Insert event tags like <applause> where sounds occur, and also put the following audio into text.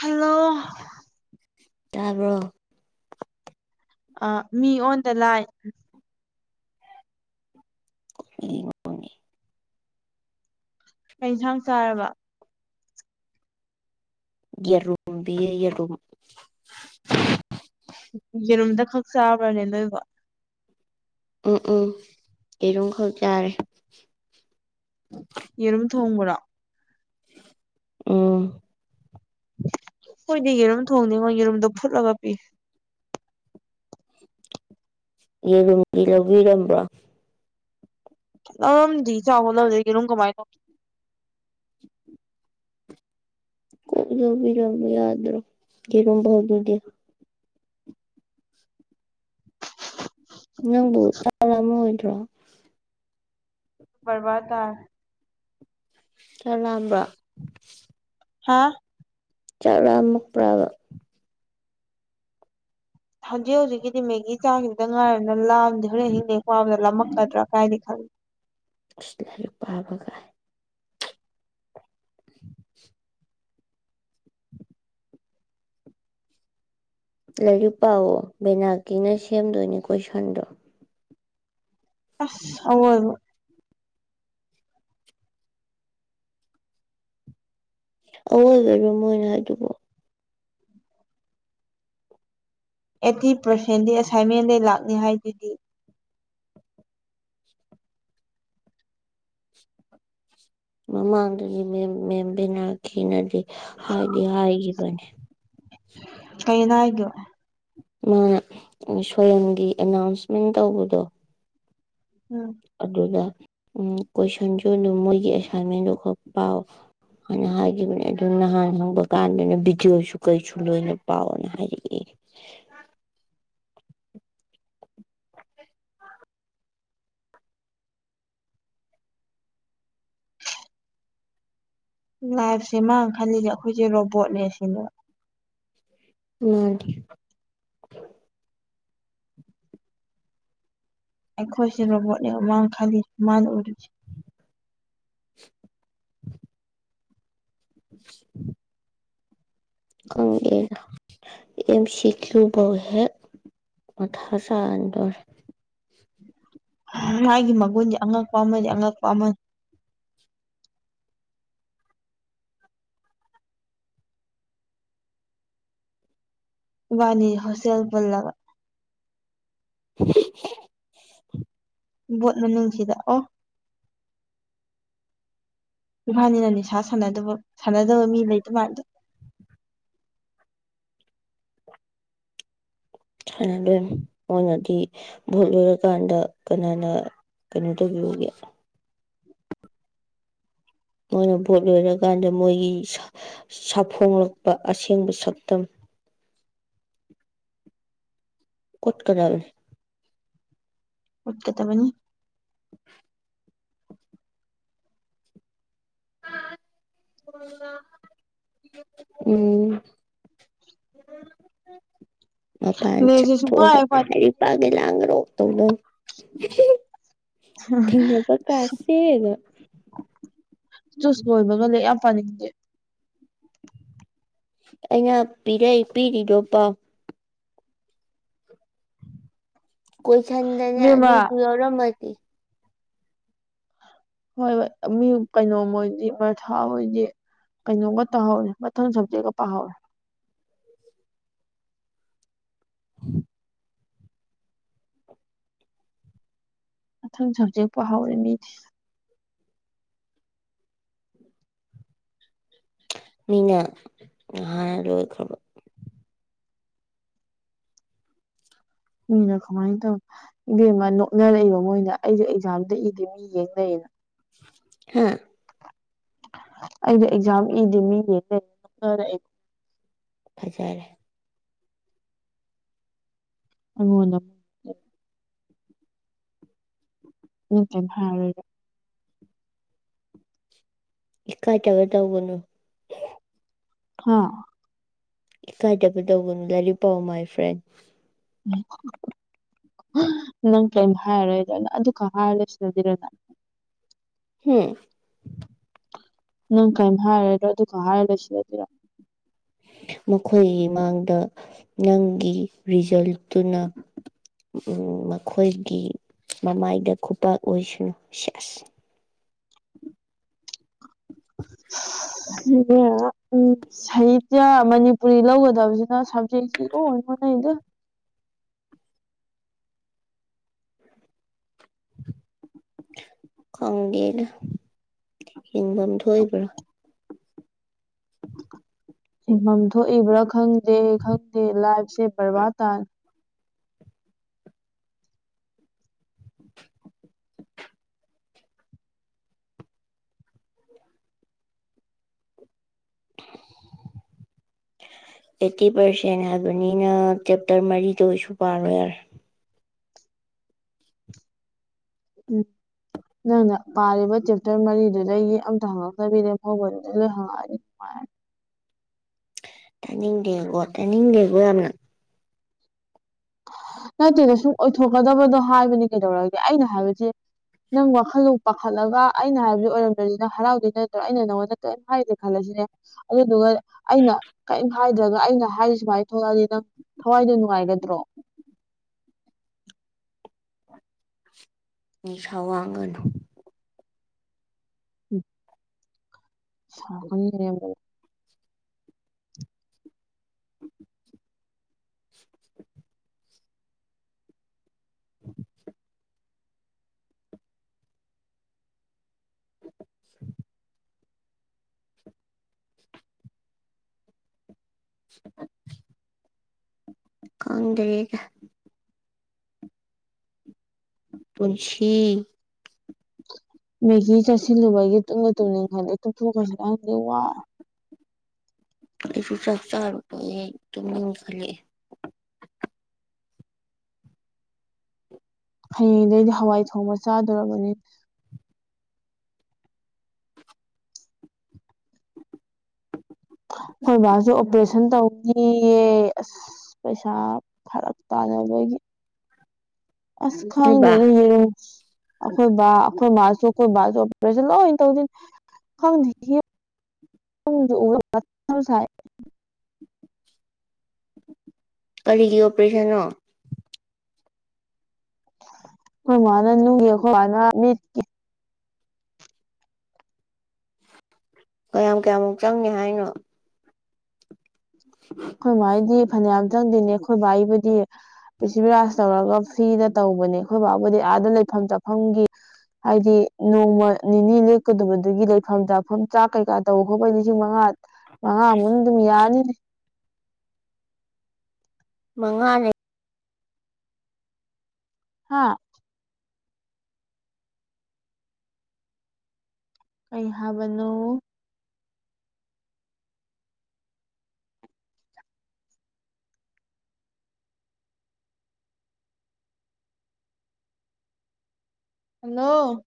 hello ꯇꯥꯕ꯭ꯔꯣ ꯑ ꯃꯤ ꯑꯣꯟꯗ ꯂꯥꯏ ꯅꯤ ꯀ ꯏꯟꯁꯥꯡ ꯆꯥꯔꯕ ꯌꯦꯔꯨꯝꯕꯤ ꯌꯦꯔꯨꯝ ꯌꯦꯔꯨꯝꯗ ꯈꯛ ꯆꯥꯕ꯭ꯔꯅꯦ ꯅꯣꯏꯕꯣ ꯎꯝ ꯎꯝ ꯑꯦꯔꯝ ꯈꯔꯆꯥꯥꯔꯦ ꯌꯦꯔꯨꯝ ꯇꯣꯡꯉꯨꯔꯥ ꯎꯝ ꯍꯣꯏꯗꯤ ꯌꯦꯔꯨꯝ ꯊꯣꯡꯅꯤꯉꯣ ꯌꯦꯔꯨꯝꯗꯣ ꯐꯨꯠꯂꯒ ꯄꯤ ꯌꯦꯔꯨꯝꯗꯤ ꯂꯧꯕꯤꯔꯝꯕ ꯂꯧꯔꯝꯗꯤ ꯆꯥꯎꯕ ꯂꯧꯖꯒꯦ ꯑꯗꯨꯝ ꯀꯃꯥꯏꯅ ꯇꯧ ꯝꯕꯤ ꯌꯥꯗ꯭ꯔꯣ ꯌꯦꯔꯣꯕꯥꯎ ꯑꯗꯨꯗꯤ ꯅꯪꯕꯨ ꯇꯥꯔꯝ ꯑꯃ ꯑꯣꯏꯗ꯭ꯔꯣ ꯔꯕꯥꯗꯥ ꯆꯔꯥꯑꯝꯕ꯭ꯔ ꯍꯥꯥ ꯆꯥꯎꯔꯥ ꯃꯨꯛꯄ꯭ꯔꯥꯕ ꯍꯧꯖꯤꯛ ꯍꯧꯖꯤꯛꯀꯤꯗꯤ ꯃꯦꯒꯤ ꯆꯥꯡꯁꯤꯗ ꯉꯥꯏꯔꯅ ꯂꯥ ꯦꯦ ꯍꯤꯡꯦ ꯋꯥꯕꯗ ꯂ ꯃꯛꯀꯗ꯭ꯔꯥ ꯀꯥꯏꯗꯦ ꯈꯜꯂ ꯑꯁ ꯂꯥꯏꯔꯤꯛ ꯄꯥꯕ ꯀꯥꯏ <unintelligible> ꯂꯥꯏꯔꯤꯛ ꯄꯥꯋ ꯕꯦꯅꯥꯀꯤꯅ ꯁꯦꯝꯗꯣꯏꯅꯦ ꯀꯣꯏꯁꯟꯗꯣ ꯑꯁ ꯍ ꯑꯗꯕ꯭ꯔ ꯃꯣꯏꯅ ꯍꯥꯏꯗꯨꯕꯨꯣ ꯑꯩꯠꯇꯤ ꯄꯥꯔꯁꯦꯟꯗꯤ ꯑꯦꯁꯥꯏꯟꯃꯦꯟꯗ ꯂꯥꯛꯅꯤ ꯍꯥꯏꯗꯨꯗꯤ ꯃꯃꯥꯡꯗꯗꯤ ꯃ ꯃꯦꯝꯕꯤꯅꯈꯤꯅꯗꯤ ꯍꯥꯏꯗꯤ ꯍꯥꯏꯒꯤꯕꯅꯤ ꯀꯩꯅ ꯍꯥꯏꯣ ꯃꯥꯅ ꯁꯣꯒꯤ ꯑꯦꯅꯥꯎꯟꯁꯃꯦꯟ ꯇꯧꯕꯗꯣ ꯎꯝ ꯑꯗꯨ ꯎ ꯀꯣꯏꯁꯟꯁꯨ ꯑꯗꯨꯝ ꯃꯣꯏꯒꯤ ꯑꯦꯁꯥꯏꯟꯃꯦꯟꯗꯨ ꯈꯔ ꯄꯥꯎ ꯍꯥꯏꯅ ꯍꯥꯏꯈꯤꯕꯅꯦ ꯑꯗꯨ ꯅꯍꯥꯟ ꯍꯪꯕ ꯀꯥꯟꯗꯅꯦ ꯚꯗꯤꯑꯣꯁꯨ ꯀꯩꯁꯨ ꯂꯣꯏꯅ ꯄꯥꯎꯅ ꯍꯥꯏꯔꯛꯑꯦ <unintelligible> ꯂꯥꯏꯐꯁꯦ ꯃꯥꯥꯡ ꯈꯜꯂꯤꯁꯦ ꯑꯩꯈꯣꯏꯁꯦ ꯔꯣꯕꯣꯠꯅꯦ ꯁꯤꯅꯦꯕ ꯃꯥꯔꯤ ꯑꯩꯈꯣꯏꯁꯤꯦ ꯔꯣꯕꯣꯠꯅꯤ ꯃꯃꯥꯡ ꯈꯥꯗꯤ ꯃꯥꯅ ꯎꯔꯨꯁꯤ <unintelligible> ꯪ ꯁꯤꯈꯨꯧ ꯍꯦ ꯃꯊ ꯍꯁ ꯑꯟꯗꯔ ꯃꯥꯒꯤ ꯃꯒꯨꯟꯁꯦ ꯑꯉꯛꯄꯃꯦ ꯑꯉꯛꯄꯝꯃ ꯋꯥꯅꯤ ꯍꯣꯁꯦꯜꯄꯜ <unintelligible> ꯣꯠ ꯃꯅ ꯆꯗꯥꯛ ꯑꯣ ꯏꯕꯥꯅꯤꯅ ꯅꯤꯁꯥ ꯁꯥꯟꯅꯗꯕ ꯁꯥꯟꯅꯗꯕ ꯃꯤ ꯂꯩ ꯑꯗꯨꯃꯥꯏꯗꯣ <unintelligible> ꯑꯗꯨ ꯃꯣꯏꯅꯗꯤ ꯚꯣꯠ ꯂꯣꯏꯔꯀꯥꯟꯗ ꯀꯅꯥꯅ ꯀꯩꯅꯇꯒꯤꯨꯒ ꯃꯣꯏꯅ ꯚꯣꯠ ꯂꯣꯏꯔꯀꯥꯟꯗ ꯃꯣꯏꯒꯤ ꯁꯥꯐꯣꯡꯂꯛꯄ ꯑꯁꯦꯡꯕ ꯁꯛꯇꯝ ꯀꯣꯠꯀꯗꯥꯜ ꯎꯠꯀ ꯇꯕꯅꯤ <unintelligible> ꯑ ꯎꯝ <unintelligible> ꯃꯄꯥꯟ ꯆ ꯂꯦꯛꯁꯦ ꯊ ꯁꯨꯡꯄꯥꯏ ꯄꯥꯅꯤꯡ ꯍꯔꯤ ꯄꯒꯦ ꯂꯥꯡꯒꯔꯣ ꯇꯧ ꯂ ꯊꯩꯅ ꯄ ꯀꯥꯁꯦꯗ ꯇꯨꯁ ꯂꯣꯏꯕꯒ ꯂꯩ ꯌꯥꯝ ꯄꯥꯅꯤꯡꯗꯦ ꯑꯩꯅ ꯄꯤꯔ ꯄꯤꯔꯤꯗꯣ ꯄꯥꯎ ꯀꯣꯏ ꯆꯟꯗꯅꯤ ꯏꯕꯦꯝꯃ ꯑꯗꯨꯗꯨ ꯑꯣꯧꯔꯝꯗꯤ ꯍꯣꯏ ꯍꯣꯏ ꯃꯤ ꯀꯩꯅꯣꯝ ꯑꯣꯏꯗꯤ ꯃꯊꯥ ꯑꯣꯏꯗꯤ ꯀꯩꯅꯣꯝꯒ ꯇꯥꯍꯧꯔꯦ ꯃꯊꯪ ꯁꯞꯖꯦꯛꯒ ꯄꯥꯍꯧꯔꯦ ꯍ ꯑꯪ ꯁꯖꯦꯛ ꯄꯍꯥꯎꯔ ꯃꯤ ꯃꯤꯅ ꯉꯥꯟ ꯂꯣꯏꯈ꯭ꯔꯕ ꯃꯤꯅ ꯀꯃꯥꯏꯅ ꯇꯧ ꯏꯕꯦꯝꯃ ꯅꯣꯛꯅꯔꯛꯏꯕ ꯃꯣꯏꯅ ꯑꯩꯁꯨ ꯑꯦꯛꯖꯥꯝꯗ ꯏꯗꯤꯦ ꯃꯤ ꯌꯦꯡꯅꯩꯌꯦꯅ ꯍꯦ ꯑꯩꯗꯤ ꯑꯦꯛꯖꯥꯝ ꯏꯗꯤꯦ ꯃꯤ ꯂꯩ ꯅꯅꯔꯛ ꯐꯖꯔꯦ ꯑꯩꯉꯣꯟꯗ ꯎꯝꯇ ꯍꯥꯏ ꯏ ꯀꯥꯏꯇꯕ ꯇꯒꯅꯣ ꯍꯥꯥ ꯏꯀꯥꯏꯗꯕ ꯇꯧꯒꯅꯨ ꯂꯥꯏꯔꯤꯛ ꯄꯥꯎ ꯃꯥꯏ ꯐ꯭ꯔꯦꯟ ꯎꯝ ꯅꯪ ꯀꯔꯤꯝ ꯍꯥꯏꯔꯔꯣꯏꯗꯅ ꯑꯗꯨ ꯈꯛ ꯍꯥꯏꯔꯔꯣꯏꯁꯤꯔꯗꯤꯔꯅ ꯍꯝ ꯅꯪ ꯀꯔꯤꯝ ꯍꯥꯏꯔꯗꯣ ꯑꯗꯨꯒ ꯍꯥꯏꯔ ꯂꯣꯏꯁꯤꯜꯂꯗꯤꯔ ꯃꯈꯣꯏꯒꯤ ꯃꯥꯡꯗ ꯅꯪꯒꯤ ꯔꯤꯖꯜꯇꯨꯅ ꯎꯝ ꯃꯈꯣꯏꯒꯤ ꯃꯥ ꯃꯥꯥꯏꯗ ꯈꯨꯞꯄ ꯑꯣꯏꯩꯁꯅꯣꯁꯥꯁ <unintelligible> ꯎ ꯁꯥꯍꯤꯇ꯭ꯌ ꯃꯅꯤꯄꯨꯔꯤ ꯂꯧꯒꯗꯕꯁꯤꯅ ꯁꯕꯖꯦꯛꯁꯤ ꯑꯣ ꯃꯅꯥꯏꯗ ꯈꯪꯗꯦꯅ ꯍꯤꯡꯐꯝ ꯊꯣꯛꯏꯕ꯭ꯔꯥ ꯍꯤꯡꯐꯝ ꯊꯣꯛꯏꯕ꯭ꯔꯥ ꯈꯪꯗ ꯗꯦ ꯈꯪꯗꯦ ꯂꯥꯏꯕꯁꯦ ꯔꯕꯥ ꯇꯥꯜ <inaudible> <inaudible> ꯑꯩꯠꯇꯤ ꯄꯥꯔꯁꯦꯟ ꯍꯥꯏꯕꯅꯤꯅ ꯆꯦꯞꯇꯔ ꯃꯔꯤꯗ ꯑꯣꯏꯁꯨ ꯄꯥꯔꯣꯏ ꯌꯥꯔꯦ ꯎꯝ ꯅꯪꯅ ꯄꯥꯔꯤꯕ ꯆꯦꯞꯇꯔ ꯃꯔꯤꯗꯨꯗꯒꯤ ꯑꯝꯇ ꯍꯪꯉꯛꯇꯕꯤꯔꯦ ꯐꯥꯎꯕꯗꯨꯗ ꯂꯣꯏ ꯍꯪꯉꯛꯑꯅꯤ <inaudible> ꯇꯅꯤꯡ ꯂꯩꯒꯣ ꯇꯅꯤꯡ ꯂꯩꯒꯣ ꯌꯥꯝꯅ ꯅꯠꯇꯦꯗ ꯁꯨꯝ ꯑꯣꯏꯊꯣꯛꯀꯗꯕꯗꯣ ꯍꯥꯏꯕꯅꯤ ꯀꯩꯗꯧꯔꯒꯦ ꯑꯩꯅ ꯍꯥꯏꯕꯗꯤ ꯅꯪ ꯋꯥꯈꯜꯗꯣ ꯄꯥꯈꯠꯂꯒ ꯑꯩꯅ ꯍꯥꯏꯕꯗꯨ ꯑꯣꯏꯔꯝꯗ꯭ꯔꯅꯤ ꯅꯪ ꯍꯔꯥꯎꯗꯣꯏ ꯅꯠꯇ꯭ꯔꯣ ꯑꯩꯅ ꯅꯪꯉꯣꯟꯗ ꯀꯔꯤꯝ ꯍꯥꯏꯗꯦ ꯈꯜꯂꯁꯤ ꯑꯗꯨꯗꯨꯒ ꯑꯩꯅ ꯀꯔꯤꯝ ꯍꯥꯏꯗ꯭ꯔꯒ ꯑꯩꯅ ꯍꯥꯏꯔꯤ ꯁꯨꯃꯥꯏꯅ ꯊꯣꯛꯂꯛꯑꯗꯤ ꯅꯪ ꯊꯋꯥꯏꯗ ꯅꯨꯡꯉꯥꯏꯒꯗ꯭ꯔꯣ ꯅꯤꯁꯥ ꯋꯥꯒꯅ ꯝ ꯁꯥ <inaudible> <unintelligible> <inaudible> ꯑꯪꯀ ꯄꯨꯟꯁꯤꯤ ꯃꯦꯒꯤ ꯆꯥꯁꯤꯜꯂꯨꯕꯒꯤ ꯇꯨꯝꯕꯨ ꯇꯨꯝꯅꯤꯡ ꯈꯜꯂꯦ ꯇꯨꯝꯊꯣꯛꯈ꯭ꯔꯁꯤꯕ ꯈꯪꯗꯦ ꯋꯥ ꯑꯩꯁꯨ ꯆꯥꯛ ꯆꯥꯔꯨꯕꯗꯩ ꯇꯨꯞꯅꯤꯡꯈꯔꯛꯑꯦ ꯍꯌꯦꯡꯗꯒꯤꯗꯤ ꯍꯋꯥꯏ ꯊꯣꯡꯕ ꯆꯥꯗꯧꯔꯕꯅꯤ ꯑꯩꯈꯣꯏ ꯕꯥꯁꯨ ꯑꯣꯄꯔꯦꯁꯟ ꯇꯧ ꯌꯦ ꯑꯁ ꯄꯩꯁꯥ ꯐꯔꯞ ꯇꯥꯅꯕꯒꯤ ꯑꯁ ꯅꯣꯏꯕ ꯈꯪꯗꯅ ꯌꯦ ꯑꯩꯈꯣꯏ ꯕꯥ ꯑꯩꯈꯣꯏ ꯃꯥ ꯑꯩꯈꯣꯏ ꯕꯥꯖꯨ ꯑꯣꯄꯔꯦꯁꯟ ꯂꯣꯏ ꯇꯧꯗꯣꯏꯅꯤ ꯈꯪꯗꯦ <inaudible> ꯀꯔꯤꯒꯤ ꯑꯣꯄꯔꯦꯁꯟꯅꯣ ꯑꯩꯈꯣꯏ ꯃꯅꯥ ꯅꯨꯡꯒꯤ ꯑꯩꯈꯣꯏ ꯕꯅꯥ ꯃꯤꯠꯀꯤ ꯀꯌꯥꯝ ꯀꯌꯥꯃꯨꯛ ꯆꯪꯅꯤ ꯍꯥꯏꯅꯣ ꯑꯩꯈꯣꯏ ꯃꯥꯏꯗꯤ ꯐꯅꯌꯥꯝ ꯆꯪꯗꯦꯅꯦ ꯑꯩꯈꯣꯏ ꯕꯥꯏꯕꯨꯗꯤ ꯄ꯭ꯔꯤꯊꯤꯕꯤꯔꯥꯖ ꯇꯧꯔꯒ ꯐꯤꯔꯗ ꯇꯧꯕꯅꯦ ꯑꯩꯈꯣꯏꯕꯥꯕꯨꯗꯤ ꯑꯥꯗ ꯂꯩꯐꯝ ꯆꯥꯐꯝꯒꯤ ꯍꯥꯏꯗꯤ ꯅꯣꯡꯃ ꯅꯤꯅꯤ ꯂꯦꯛꯀꯗꯕꯗꯨꯒꯤ ꯂꯩꯐꯝ ꯆꯥꯐꯝ ꯆꯥꯛ ꯀꯩꯀꯥ ꯇꯧꯕ ꯈꯣꯠꯄ ꯂꯤꯁꯤꯡ ꯃꯉꯥ ꯃꯉ ꯃꯨꯟ ꯑꯗꯨꯝ ꯌꯥꯅꯤ ꯃꯉꯅꯦ ꯍꯥꯥ ꯀꯩ ꯍꯥꯏꯕꯅꯣ ꯍꯜꯂꯣ